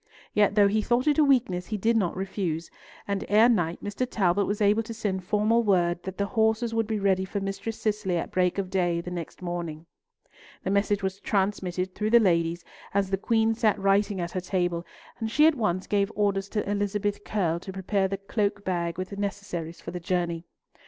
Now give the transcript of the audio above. Yet though he thought it a weakness, he did not refuse, and ere night Mr. Talbot was able to send formal word that the horses would be ready for Mistress Cicely at break of day the next morning. The message was transmitted through the ladies as the Queen sat writing at her table, and she at once gave orders to Elizabeth Curll to prepare the cloak bag with necessaries for the journey.